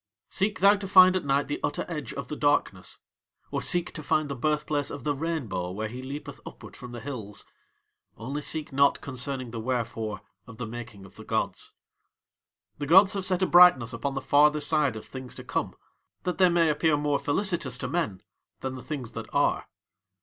Seek thou to find at night the utter edge of the darkness, or seek to find the birthplace of the rainbow where he leapeth upward from the hills, only seek not concerning the wherefore of the making of the gods. The gods have set a brightness upon the farther side of the Things to Come that they may appear more felititous to men than the Things that Are.